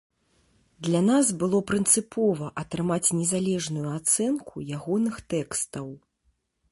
Для нас было прынцыпова атрымаць незалежную ацэнку ягоных тэкстаў.